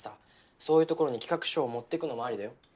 そういう所に企画書を持ってくのもありだよ。